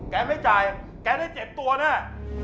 แกไม่จ่ายแกได้เจ็บตัวนะ